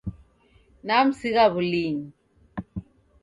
Namsigha wulinyi.